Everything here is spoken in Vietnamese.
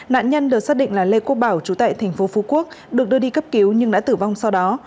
nạn nhân được xác định là lê quốc bảo chú tại tp phú quốc được đưa đi cấp cứu nhưng đã tử vong sau đó